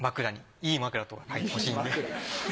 いい枕とか欲しいんで。